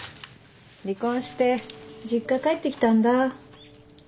離婚して実家帰ってきたんだ。